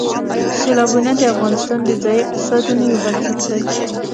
سیلابونه د افغانستان د ځایي اقتصادونو یو بنسټ دی.